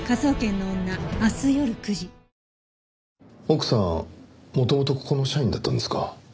奥さん元々ここの社員だったんですか。